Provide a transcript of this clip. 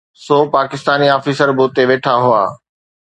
سو Pakistani officer به اتي ويٺا هئا.